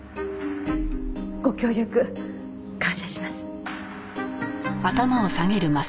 ご協力感謝します。